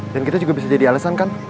dan kita juga bisa jadi alesan kan